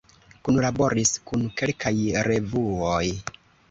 Kunlaboris kun kelkaj revuoj.